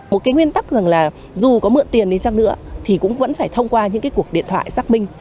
một cái nguyên tắc rằng là dù có mượn tiền đến chăng nữa thì cũng vẫn phải thông qua những cái cuộc điện thoại xác minh